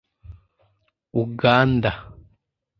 Uganda)